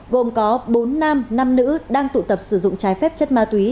gồm có bốn nam năm nữ đang tụ tập sử dụng trái phép chất ma túy